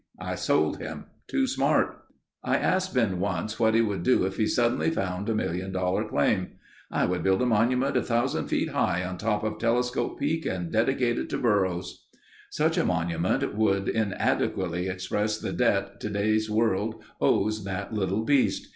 I sold him. Too smart." I asked Ben once what he would do if he suddenly found a million dollar claim. "I would build a monument a thousand feet high on top of Telescope Peak and dedicate it to burros." Such a monument would inadequately express the debt today's world owes that little beast.